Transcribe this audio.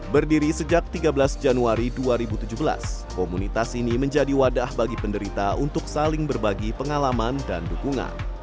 berdiri sejak tiga belas januari dua ribu tujuh belas komunitas ini menjadi wadah bagi penderita untuk saling berbagi pengalaman dan dukungan